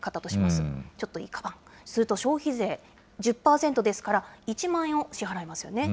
すると、消費税１０％ですから、１万円を支払いますよね。